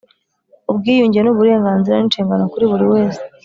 ubwiyunge ni uburenganzira n’inshingano kuri buri wese